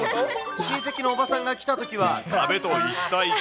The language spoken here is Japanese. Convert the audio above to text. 親戚のおばさんが来たときは、壁と一体化。